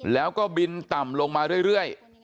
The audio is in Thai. แล้วก็บินต่ำลงมาเรื่อย